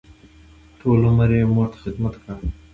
ټول عمر یې مور ته خدمت کړی.